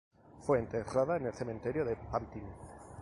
Fue enterrada en el Cementerio de Pantin.